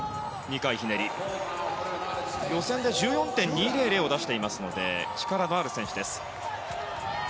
予選で１４．２００を出していますので力がある選手です。